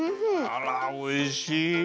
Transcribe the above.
あらおいしい。